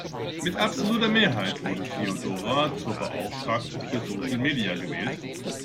Mit absoluter Mehrheit wurde Feodora zur Beauftragten für Social Media gewählt.